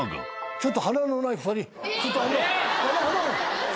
ちょっと！